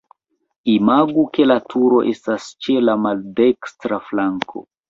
Imagu ke la turo estas ĉe la maldekstra flanko.